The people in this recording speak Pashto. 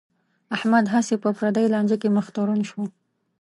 احمد هسې په پردی لانجه کې مخ تورن شو.